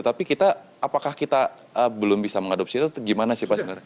tapi kita apakah kita belum bisa mengadopsi itu gimana sih pak sebenarnya